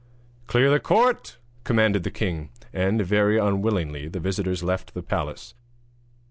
'Clear the court!' commanded the king; and, very unwillingly, the visitors left the palace.